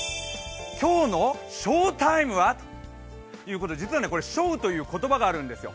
今日の暑雨タイムは？ということで、実は、暑雨という言葉があるんですよ。